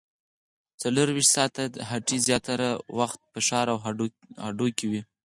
څلورویشت ساعته هټۍ زیاتره وخت په ښار او هډو کې وي